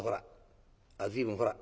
ほら。